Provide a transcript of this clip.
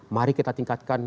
mari kita tingkatkan